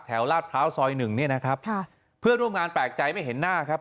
แถวราชพร้าวซอย๑นี่นะครับเพื่อร่วมงานแปลกใจไม่เห็นหน้าครับ